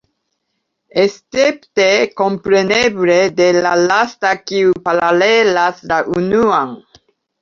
Escepte, kompreneble, de la lasta, kiu paralelas la unuan.